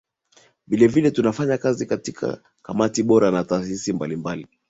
Vile vile amefanya kazi katika Kamati Bodi na Taasisi mbalimbali